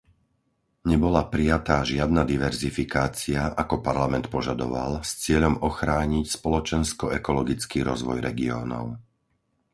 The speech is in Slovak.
Nebola prijatá žiadna diverzifikácia, ako Parlament požadoval, s cieľom ochrániť spoločensko-ekologický rozvoj regiónov.